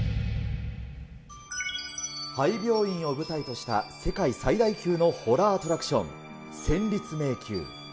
廃病院を舞台とした世界最大級のホラーアトラクション、戦慄迷宮。